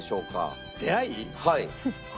はい。